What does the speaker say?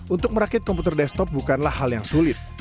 untuk merakit komputer desktop bukanlah hal yang sulit